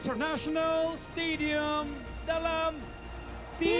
tanpa cintamu lagi